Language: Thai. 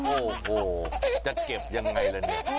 โอ้โหจะเก็บยังไงละนี่